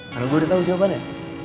karena gue udah tau jawabannya